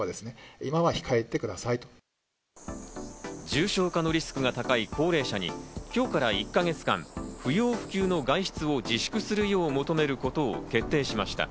重症化のリスクが高い高齢者に今日から１か月間、不要不急の外出を自粛するよう求めることを決定しました。